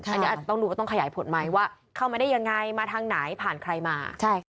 อันนี้อาจจะต้องดูว่าต้องขยายผลไหมว่าเข้ามาได้ยังไงมาทางไหนผ่านใครมา